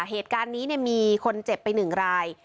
เหตุการณ์นี้เนี่ยมีคนเจ็บไปหนึ่งราย